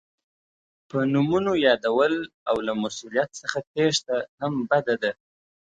په نومونو یادول او له مسؤلیت څخه تېښته هم بده ده.